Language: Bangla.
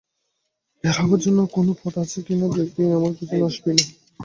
বের হবার অন্য কোন পথ আছে কিনা দেখি, আমার পেছনে আসবি না।